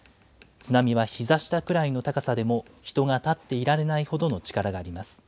津波はひざ下くらいの高さでも人が立っていられないほどの力があります。